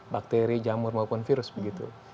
bakteri jamur maupun virus begitu